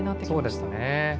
そうでしたね。